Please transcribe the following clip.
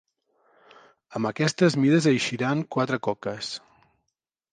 Amb aquestes mides eixiran quatre coques.